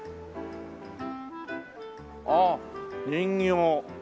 ああ人形。